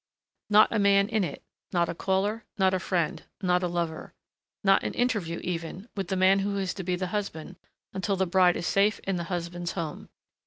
Not a man in it. Not a caller. Not a friend. Not a lover.... Not an interview, even, with the man who is to be the husband until the bride is safe in the husband's home.